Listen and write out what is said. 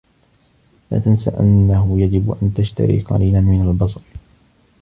لا تنس أنّه يجب أن تشتري قليلا من البصل.